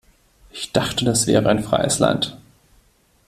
Ich dachte, das wäre ein freies Land.